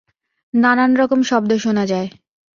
নানান রকম শব্দ শোনা যায়।